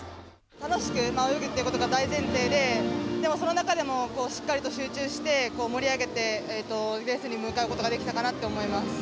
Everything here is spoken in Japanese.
楽しく泳ぐということが大前提ででも、その中でもしっかりと集中して盛り上げてレースに向かうことができたかなって思います。